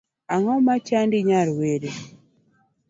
Ang'o machandi nyar were?